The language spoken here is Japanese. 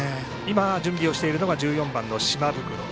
準備をしているのが１４番、島袋。